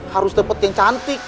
harus dapet yang cantik